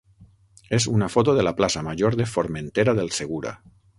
és una foto de la plaça major de Formentera del Segura.